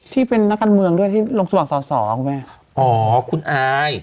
ที่เป็นนักการเมืองด้วยที่ลงสว่างส่อไปอ๋อคุณอาย